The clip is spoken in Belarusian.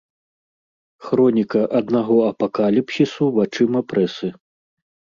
Хроніка аднаго апакаліпсісу вачыма прэсы.